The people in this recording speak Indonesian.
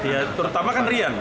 ya terutama kan rian